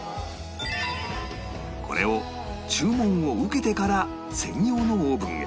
これを注文を受けてから専用のオーブンへ